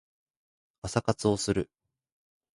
朝活をする